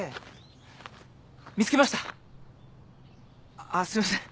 あっすいません